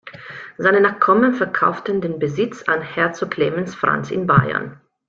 Seine Nachkommen verkauften den Besitz an Herzog Clemens Franz in Bayern.